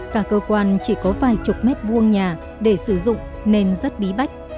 cả cơ quan chỉ có vài chục mét vuông nhà để sử dụng nên rất bí bách